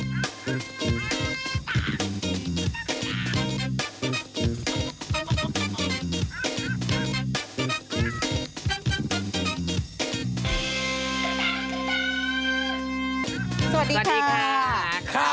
มันขึ้นมากเลย